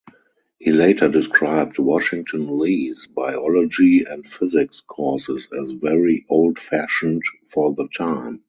He later described Washington-Lee's biology and physics courses as "very old-fashioned" for the time.